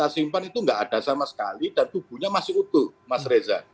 simpan itu nggak ada sama sekali dan tubuhnya masih utuh mas reza